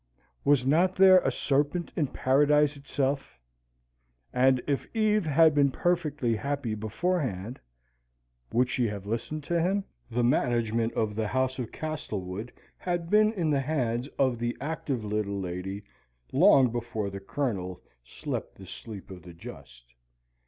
Was not there a serpent in Paradise itself? and if Eve had been perfectly happy beforehand, would she have listened to him? The management of the house of Castlewood had been in the hands of the active little lady long before the Colonel slept the sleep of the just.